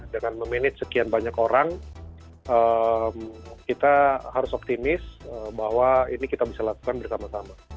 dengan memanage sekian banyak orang kita harus optimis bahwa ini kita bisa lakukan bersama sama